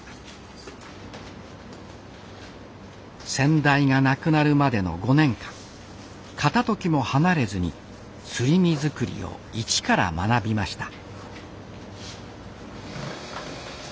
先代が亡くなるまでの５年間片ときも離れずにすり身作りを一から学びました